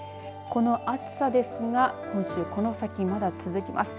この暑さですがこの先、まだ続きます。